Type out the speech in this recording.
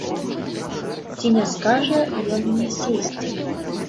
Ці не скажа ён мне сесці.